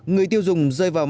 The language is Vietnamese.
người tiêu dùng rơi vào phòng